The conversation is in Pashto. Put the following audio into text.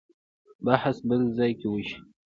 بحث بل ځای کې وشي.